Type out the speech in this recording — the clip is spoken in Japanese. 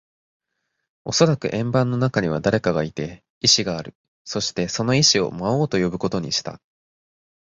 おそらく円盤の中には誰かがいて、意志がある。そして、その意思を魔王と呼ぶことにした。